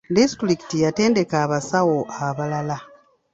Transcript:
Disitulikiti yatendeka abasawo abalala.